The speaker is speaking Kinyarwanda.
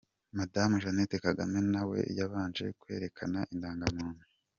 Madamu Jeannette Kagame na we yabanje kwerekana Indangamuntu.